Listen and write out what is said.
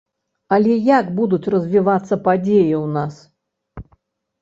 Але як будуць развівацца падзеі ў нас?